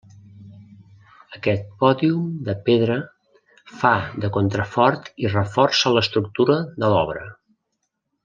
Aquest pòdium de pedra fa de contrafort i reforça l'estructura de l'obra.